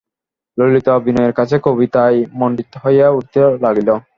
ললিতাও বিনয়ের কাছে কবিতায় মণ্ডিত হইয়া উঠিতে লাগিল।